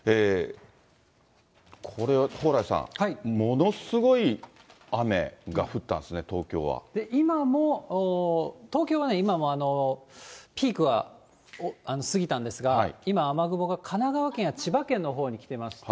これは蓬莱さん、ものすごい雨が降ったんですね、今も、東京はね、今もう、ピークは過ぎたんですが、今、雨雲が神奈川県や千葉県のほうに来ていまして。